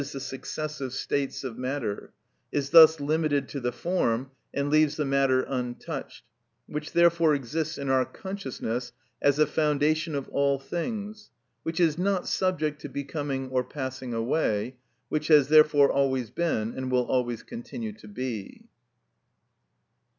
_, the successive states of matter, is thus limited to the form, and leaves the matter untouched, which therefore exists in our consciousness as the foundation of all things, which is not subject to becoming or passing away, which has therefore always been and will always continue to be.